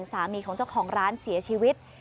สามีของเจ้าของร้านเสียชีวิต